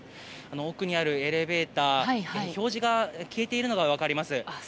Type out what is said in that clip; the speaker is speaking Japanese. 奥にあるエレベーター表示が消えているのが分かります。